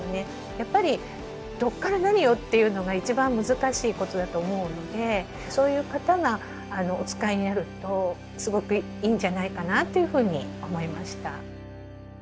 やっぱりどっから何をっていうのが一番難しいことだと思うのでそういう方がお使いになるとすごくいいんじゃないかなっていうふうに思いました。